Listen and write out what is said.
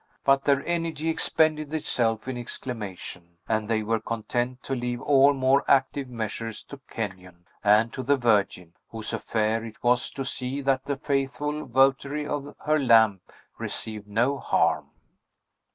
But their energy expended itself in exclamation, and they were content to leave all more active measures to Kenyon, and to the Virgin, whose affair it was to see that the faithful votary of her lamp received no harm.